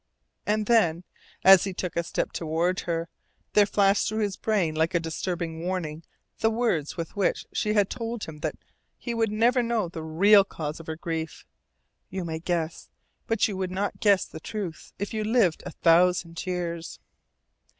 And then, as he took a step toward her, there flashed through his brain like a disturbing warning the words with which she had told him that he would never know the real cause of her grief. "YOU MAY GUESS, BUT YOU WOULD NOT GUESS THE TRUTH IF YOU LIVED A THOUSAND YEARS."